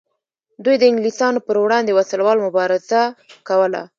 دوی د انګلیسانو پر وړاندې وسله واله مبارزه کوله.